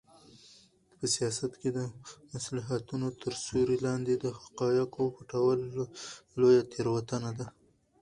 په سیاست کې د مصلحتونو تر سیوري لاندې د حقایقو پټول لویه تېروتنه ده.